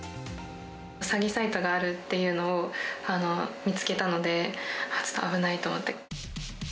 詐欺サイトがあるっていうのを見つけたので、ちょっと危ないと思って。